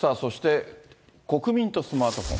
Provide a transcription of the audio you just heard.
そして、国民とスマートフォン。